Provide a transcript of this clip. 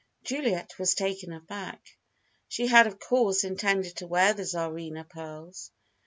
Juliet was taken aback. She had, of course, intended to wear the Tsarina pearls.